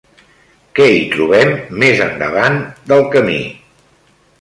Què hi trobem més endavant del camí?